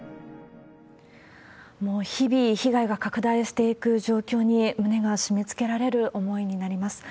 もう日々、被害が拡大していく状況に、胸が締めつけられる思いになります。